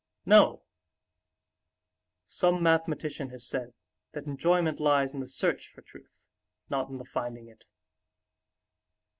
"No. Some mathematician has said that enjoyment lies in the search for truth, not in the finding it."